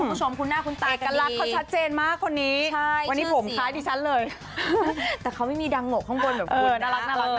อืมเอกลักษณ์เขาชัดเจนมากคนนี้วันนี้ผมคล้ายดิฉันเลยแต่เขาไม่มีดังโหนกข้างบนเหมือนคุณนะเออน่ารัก